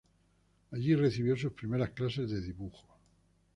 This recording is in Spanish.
Allí recibió sus primeras clases de dibujo.